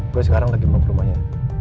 gue sekarang lagi mau ke rumahnya